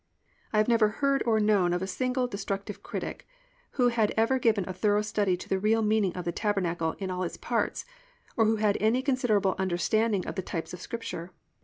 I have never heard or known of a single destructive critic who had ever given a thorough study to the real meaning of the tabernacle in all its parts, or who had any considerable understanding of the types of Scripture.